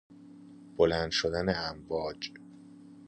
بلند شدن امواج